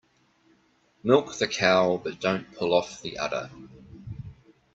Milk the cow but don't pull off the udder.